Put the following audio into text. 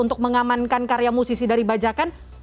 untuk mengamankan karya musisi dari bajakan